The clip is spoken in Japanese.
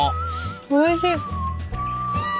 おいしい！